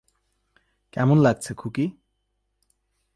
কেমন লাগছে, খুকি?